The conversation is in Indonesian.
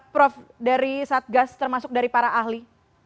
prof dari satgas termasuk dari para ahli